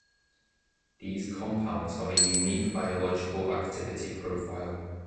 These compounds have a unique biological activity profile: